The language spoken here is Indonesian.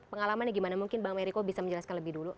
pengalamannya gimana mungkin bang meriko bisa menjelaskan lebih dulu